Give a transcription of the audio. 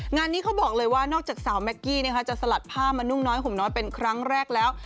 งานนี้เขาบอกเลยว่านอกจากสาวแก๊กกี้จะสลัดผ้ามานุ่งน้อยห่มน้อยเป็นครั้งแรกแล้ว